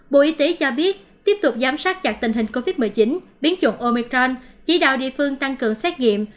bộ y tế cho biết tiếp tục giám sát chặt tình hình covid một mươi chín biến chủng omicron chỉ đạo địa phương tăng cường xét nghiệm